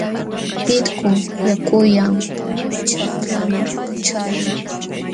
Pitku yakullam ćhaklaaman ćhayan.